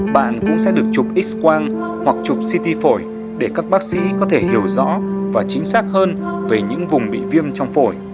bạn cũng sẽ được chụp x quang hoặc chụp ct phổi để các bác sĩ có thể hiểu rõ và chính xác hơn về những vùng bị viêm trong phổi